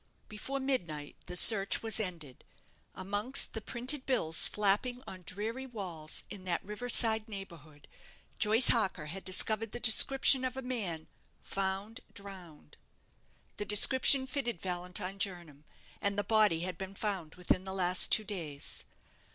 Before midnight the search was ended. Amongst the printed bills flapping on dreary walls in that river side neighbourhood, Joyce Harker had discovered the description of a man "found drowned." The description fitted Valentine Jernam, and the body had been found within the last two days.